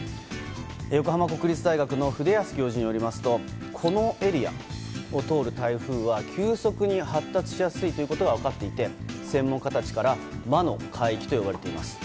横浜国立大学の筆保教授によりますとこのエリアを通る台風は急速に発達しやすいということが分かっていて専門家たちから魔の海域と呼ばれています。